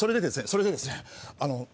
それでですね。